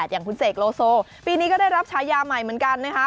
อย่างคุณเสกโลโซปีนี้ก็ได้รับฉายาใหม่เหมือนกันนะคะ